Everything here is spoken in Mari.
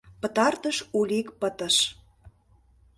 Пытартыш улик пытыш.